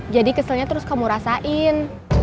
jadi keselnya terus kamu rasain